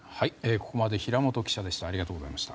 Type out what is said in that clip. ここまで平元記者でした。